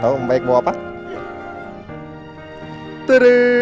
kamu tau om baik buah apa